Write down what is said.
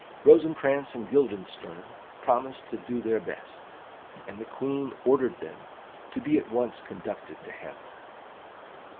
Rosencrantz and Guildenstern promised to do their best, and the Queen ordered them to be at once conducted to Hamlet.